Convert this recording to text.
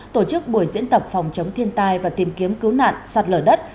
tổ chức buổi diễn tập phòng chống thiên tai và tìm kiếm cứu nạn sạt lở đất